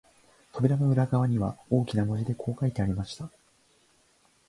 扉の裏側には、大きな字でこう書いてありました